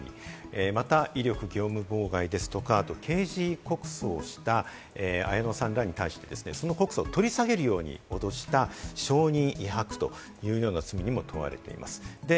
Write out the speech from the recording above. また威力業務妨害ですとか、また刑事告訴した綾野さんらに対しですね、告訴を取り下げるように脅した証人威迫というような罪にも問われています。